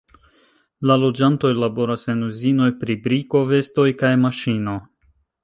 La loĝantoj laboras en uzinoj pri briko, vestoj kaj maŝino.